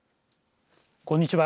こんにちは。